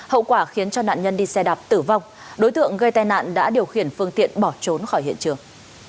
hậu quả khiến cho nạn nhân đi xe đạp tử vong đối tượng gây tai nạn đã điều khiển phương tiện bỏ trốn khỏi hiện trường